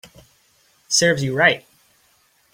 Serves you right